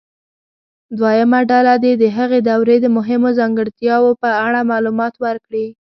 دویمه ډله دې د هغې دورې د مهمو ځانګړتیاوو په اړه معلومات ورکړي.